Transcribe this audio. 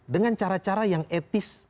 dengan cara cara yang etis